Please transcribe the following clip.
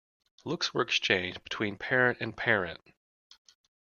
Looks were exchanged between parent and parent.